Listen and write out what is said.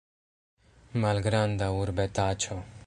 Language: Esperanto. Malgranda urbetaĉo.